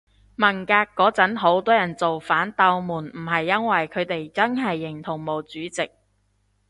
文革嗰陣好多人造反鬥人唔係因爲佢哋真係認同毛主席